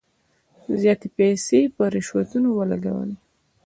زیاتي پیسې په رشوتونو ولګولې.